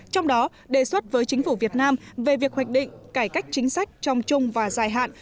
trong đó đề xuất với chính phủ việt nam về việc hoạch định cải cách chính sách trong chung và dài hạn